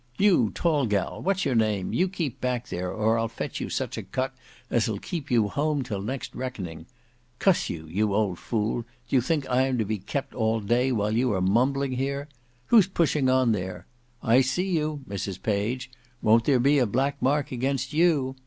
You tall gal, what's your name, you keep back there, or I'll fetch you such a cut as'll keep you at home till next reckoning. Cuss you, you old fool, do you think I am to be kept all day while you are mumbling here? Who's pushing on there? I see you, Mrs Page. Won't there be a black mark against you?